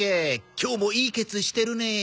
今日もいいケツしてるねえ。